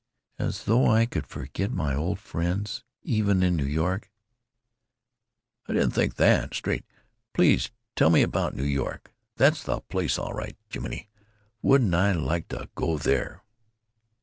"As though I could forget my old friends, even in New York!" "I didn't think that. Straight. Please tell me about New York. That's the place, all right. Jiminy! wouldn't I like to go there!"